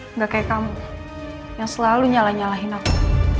nggak kayak kamu yang selalu nyalah nyalahin aku